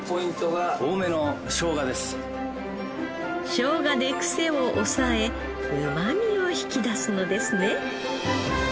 しょうがでクセを抑えうまみを引き出すのですね。